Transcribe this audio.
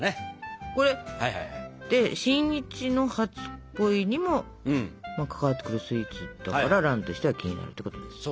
これって新一の初恋にも関わってくるスイーツだから蘭としては気になるってことですか。